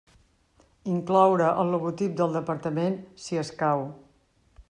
Incloure el logotip del departament, si escau.